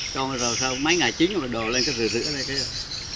trôn rồi sau mấy ngày chín rồi đồ lên cái rửa rửa này